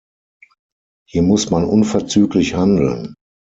Hier muss man unverzüglich handeln.